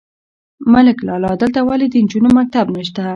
_ملک لالا! دلته ولې د نجونو مکتب نشته؟